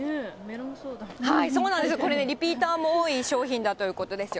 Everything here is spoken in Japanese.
そうなんです、これね、リピーターも多い商品だということですよ。